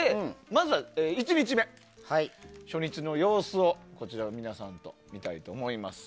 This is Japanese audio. まずは１日目、初日の様子を皆さんと見たいと思います。